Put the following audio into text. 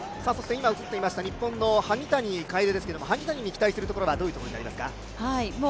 そして今、映っていました日本の萩谷がいますが萩谷に期待するところはどういうところになりますか？